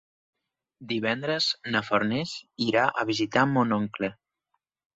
Divendres na Farners irà a visitar mon oncle.